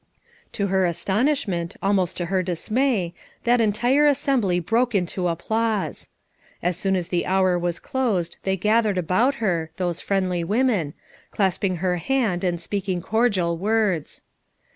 To her astonishment, al most to her dismay, that entire assembly broke into applause. As soon as the hour was closed they gathered about her, those friendly women, clasping her hand and speaking cordial words.